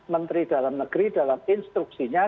menteri dalam negeri dalam instruksinya